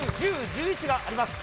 ９１０１１があります